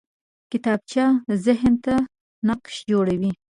کتابچه ذهن ته نقش جوړوي